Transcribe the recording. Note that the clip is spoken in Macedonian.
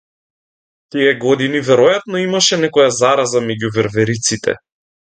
Тие години веројатно имаше некоја зараза меѓу вервериците.